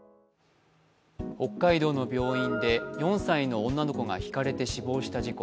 北海道の病院で４歳の女の子がひかれて死亡した事故。